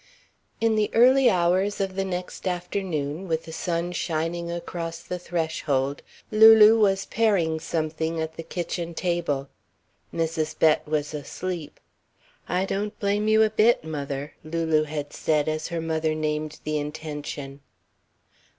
In the early hours of the next afternoon with the sun shining across the threshold, Lulu was paring something at the kitchen table. Mrs. Bett was asleep. ("I don't blame you a bit, mother," Lulu had said, as her mother named the intention.)